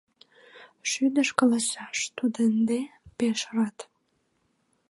Шӱдыш каласаш: тудо ынде пеш рат!